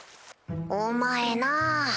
お前なぁ。